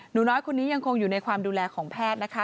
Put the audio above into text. หนูน้อยคนนี้ยังคงอยู่ในความดูแลของแพทย์นะคะ